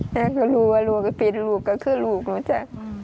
แม่ก็รู้ว่าลูกเห็นผิดลูกก็คือลูกหนูจ้ะ